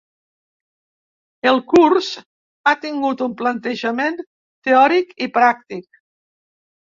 El curs ha tingut un plantejament teòric i pràctic.